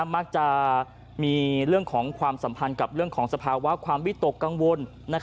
มักจะมีเรื่องของความสัมพันธ์กับเรื่องของสภาวะความวิตกกังวล